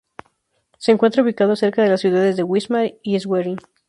Se encuentra ubicado cerca de las ciudades de Wismar y Schwerin.